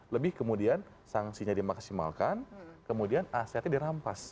lebih kemudian sanksinya dimaksimalkan kemudian asetnya dirampas